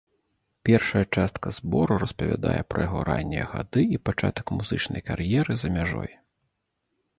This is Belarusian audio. Першая частка збору распавядае пра яго раннія гады і пачатак музычнай кар'еры за мяжой.